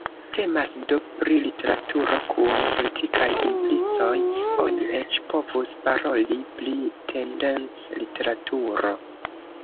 Temas do pri literaturo kun politikaj implicoj, oni eĉ povus paroli pri “tendenc-literaturo”.